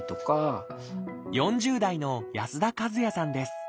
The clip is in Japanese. ４０代の安田和也さんです。